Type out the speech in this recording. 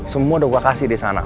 semua udah gue kasih disana